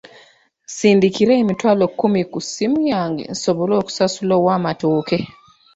Nsindikira emitwalo kkumi ku ssimu yange nsobola okusasula ow'amatooke.